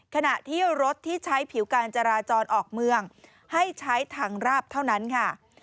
ขณะที่รถที่ใช้ผิวการจราจรออกเมืองให้ใช้ทางราบเท่านั้นค่ะ